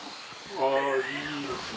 あぁいいですね。